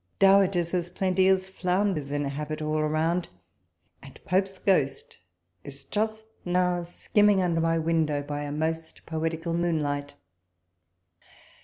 Dowagers as plenty aS flounders inhabit all around, and Pope's ghost is just now skimming under my window by a most poetical moonlight.